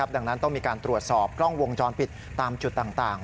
ดังนั้นต้องมีการตรวจสอบกล้องวงจรปิดตามจุดต่าง